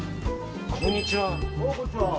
こんにちは。